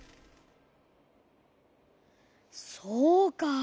そうか。